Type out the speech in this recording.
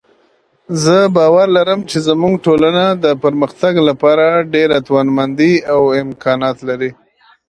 زه باور لرم چې زموږ ټولنه د پرمختګ لپاره ډېره توانمندۍ او امکانات لري